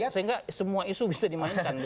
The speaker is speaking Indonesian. sehingga semua isu bisa dimainkan